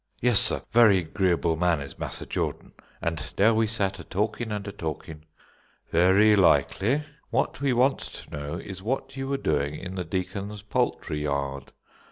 "Yes, sar, very 'greeable man is Massa Jordan. An' dar we sat a talking an' a talking " "Very likely. What we want to know is what you were doing in the Deacon's poultry yard?"